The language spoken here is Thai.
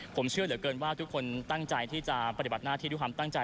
ผมเชื่อเหลือเกินว่าทุกคนตั้งใจที่จะปฏิบัติหน้าที่ด้วยความตั้งใจ